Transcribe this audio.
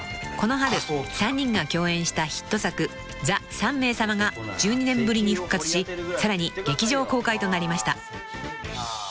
［この春３人が共演したヒット作『ＴＨＥ３名様』が１２年ぶりに復活しさらに劇場公開となりました］